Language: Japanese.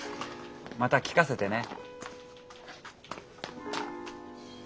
また聞かせてね。